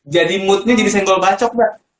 moodnya jadi senggol bacok mbak